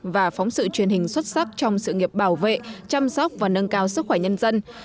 và phóng sự truyền hình xuất sắc trong sự nghiệp bảo vệ chăm sóc và nâng cao sức khỏe nhân dân